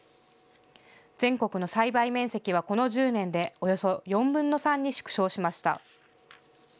全国の栽培面積はこの１０年でおよそ４分の３に縮小しました。